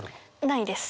ないです。